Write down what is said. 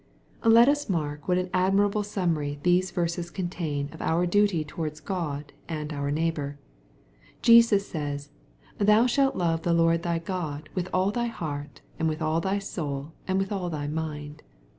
Let us mark what an admirable summary these verses contain of our duty towards God and our neighbor, Jesus says, " Thou shalt love the Lord thy God with all thy heart, and with all thy soul, and with all thy n\ind."